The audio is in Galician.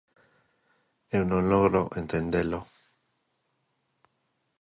Eu non logro entendelo.